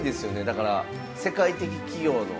だから世界的企業の。